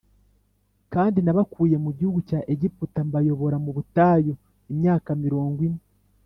Kandi nabakuye mu gihugu cya Egiputa mbayobora mu butayu imyaka mirongo ine